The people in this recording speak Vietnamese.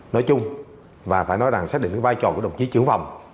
nói chung và phải nói rằng xác định vai trò của đồng chí trưởng phòng